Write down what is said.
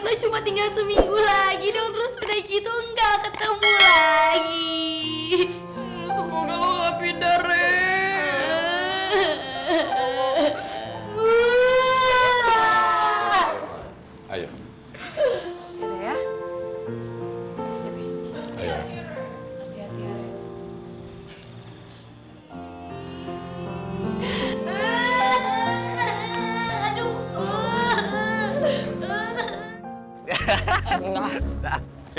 lo cuma tinggal seminggu lagi dong terus udah gitu nggak ketemu lagi semoga lo nggak pindah